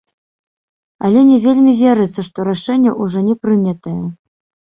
Але не вельмі верыцца, што рашэнне ўжо не прынятае.